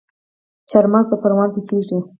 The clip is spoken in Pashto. چارمغز په پروان کې کیږي